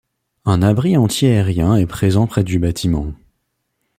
Un abri anti-aérien est présent près du bâtiment.